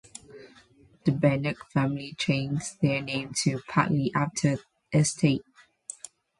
The Bernac family changed their name to Padley after the estate.